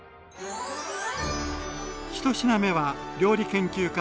１品目は料理研究家